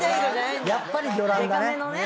やっぱり魚卵だね。